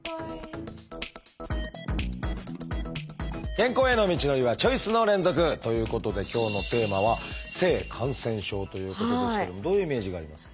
健康への道のりはチョイスの連続！ということで今日のテーマはどういうイメージがありますか？